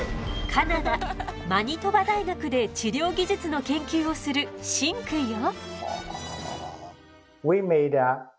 カナダマニトバ大学で治療技術の研究をするシンくんよ。